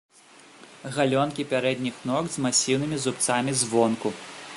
Галёнкі пярэдніх ног з масіўнымі зубцамі звонку.